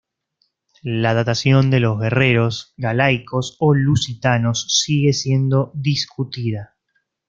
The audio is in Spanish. La datación de los guerreros galaicos o lusitanos sigue siendo discutida.